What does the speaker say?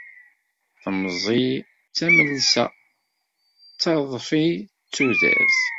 Temẓi d tamelsa, d taḍfi d tudert.